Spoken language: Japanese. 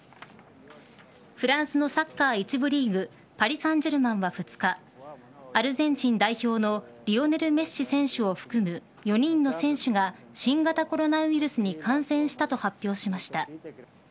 フランスのサッカー１部リーグパリ・サンジェルマンは２日アルゼンチン代表のリオネル・メッシ選手を含む４人の選手が新型コロナウイルスに感染したと発表しました。